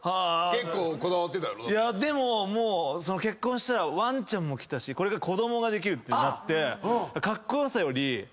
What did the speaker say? いやでももう結婚したらワンちゃんも来たしこれから子供ができるってなって。